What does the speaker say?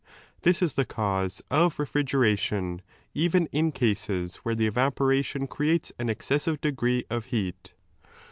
This is the cause of re . &igeration, even in cases where the evaporation creates an excessive degree of heat.